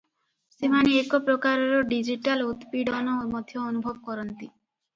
ସେମାନେ ଏକ ପ୍ରକାରର “ଡିଜିଟାଲ ଉତ୍ପୀଡ଼ନ” ମଧ୍ୟ ଅନୁଭବ କରନ୍ତି ।